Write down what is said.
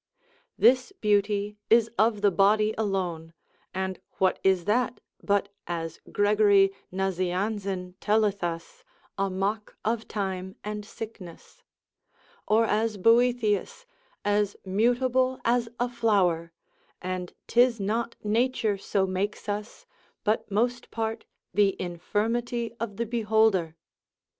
This beauty is of the body alone, and what is that, but as Gregory Nazianzen telleth us, a mock of time and sickness? or as Boethius, as mutable as a flower, and 'tis not nature so makes us, but most part the infirmity of the beholder.